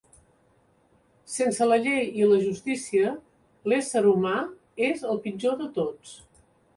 Sense la llei i la justícia, l'ésser humà és el pitjor de tots.